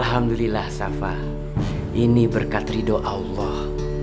alhamdulillah safa ini berkat ridho allah